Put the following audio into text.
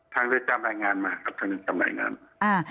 ทางเรือนจำรายงานมาครับทางเรือนจำรายงานมา